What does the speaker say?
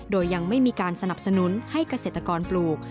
โดยยังไม่มีการสนับสนุนให้เกษตรกรปลูก